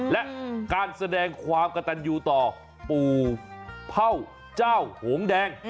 และการแสดงความกระตันยูต่อปู่เผ่าเจ้าโหงแดง